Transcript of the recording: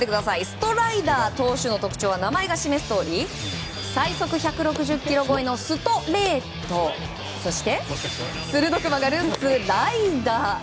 ストライダー投手の特徴は名前のとおり最速１６０キロ超えの「スト」レートそして鋭く曲がるス「ライダー」。